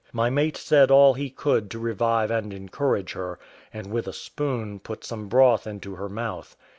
My mate said all he could to revive and encourage her, and with a spoon put some broth into her mouth.